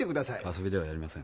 遊びではやりません。